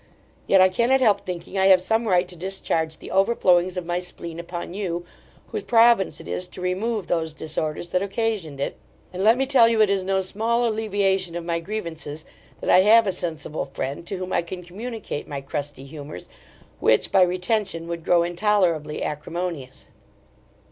Yet I cannot help thinking I have some right to discharge the overflowings of my spleen upon you, whose province it is to remove those disorders that occasioned it; and let me tell you, it is no small alleviation of my grievances, that I have a sensible friend, to whom I can communicate my crusty humours, which, by retention, would grow intolerably acrimonious.